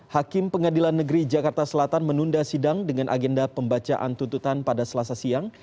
hakim pengadilan negeri jakarta selatan menunda sidang dengan agenda pembacaan tuntutan pada selasa siang